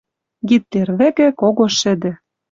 Гитлер вӹкӹ кого шӹдӹ